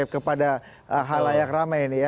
kepada hal layak ramai ini ya